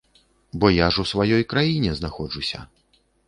Бо я ж у сваёй краіне знаходжуся!